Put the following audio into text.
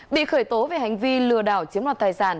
bị khởi tố về hành vi lừa đảo chiếm đoạt tài sản